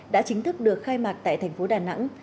đã chính thức được khai mạc tại thành phố đà nẵng